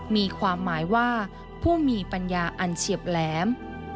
มีความหมายว่าผู้มีปัญญาอันเฉียบแหลม